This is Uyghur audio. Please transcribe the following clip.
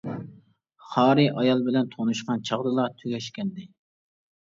خارى ئايال بىلەن تونۇشقان چاغدىلا تۈگەشكەنىدى.